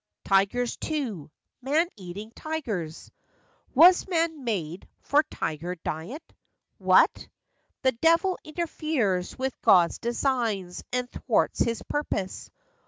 Tigers, too, man eating • tigers; Was man made for tiger diet? What! "The devil interferes with God's designs, and thwarts his purpose."